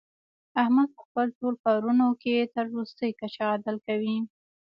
احمد په خپلو ټول کارونو کې تر ورستۍ کچې عدل کوي.